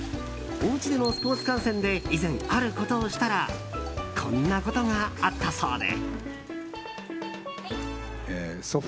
おうちでのスポーツ観戦で以前あることをしたらこんなことがあったそうで。